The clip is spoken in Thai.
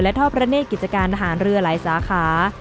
และทอบประเทศกิจการทหารเรือหลายสาขา